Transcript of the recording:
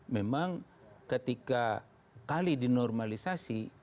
memang ketika kali dinormalisasi